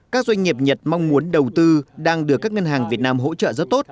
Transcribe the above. các doanh nghiệp nhật mong muốn đầu tư đang được các ngân hàng việt nam hỗ trợ rất tốt